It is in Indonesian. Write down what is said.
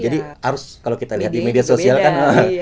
jadi harus kalau kita lihat di media sosial kan